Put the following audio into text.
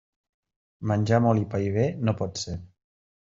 Menjar molt i pair bé no pot ser.